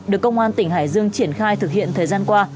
được công an tỉnh hải dương triển khai thực hiện thời gian qua